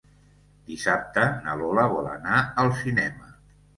Dissabte na Lola vol anar al cinema.